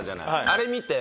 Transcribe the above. あれ見て。